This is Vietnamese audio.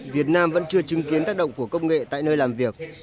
việt nam vẫn chưa chứng kiến tác động của công nghệ tại nơi làm việc